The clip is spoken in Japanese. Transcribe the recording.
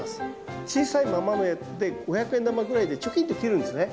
小さいままで５００円玉ぐらいでチョキンと切るんですね。